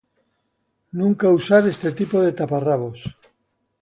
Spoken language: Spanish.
Nunca usar ese tipo de taparrabos.